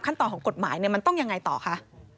ต่อของกฎหมายเนี่ยมันต้องยังไงต่อคะ